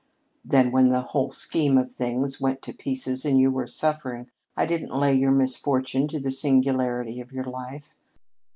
Then, when the whole scheme of things went to pieces and you were suffering, I didn't lay your misfortune to the singularity of your life.